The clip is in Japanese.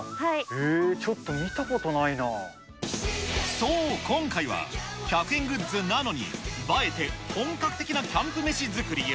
へー、ちょっと見たことないそう、今回は１００円グッズなのに映えて、本格的なキャンプ飯作りや。